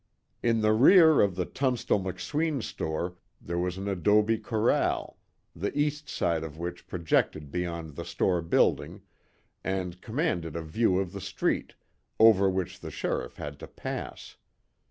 In the rear of the Tunstall McSween store, there was an adobe corral, the east side of which projected beyond the store building, and commanded a view of the street, over which the sheriff had to pass.